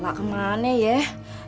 elak kemana yeh